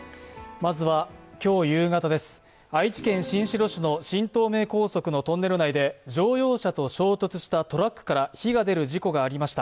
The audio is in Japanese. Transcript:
まずは今日夕方、愛知県新城市の新東名高速のトンネル内で乗用車と衝突したトラックから火が出る事故がありました。